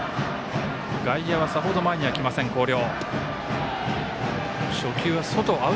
外野はさほど前にはきません、広陵。